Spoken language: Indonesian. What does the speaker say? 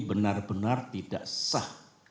benar benar tidak sah